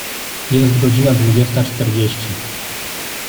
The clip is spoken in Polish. Jest godzina dwudziesta czterdzieści.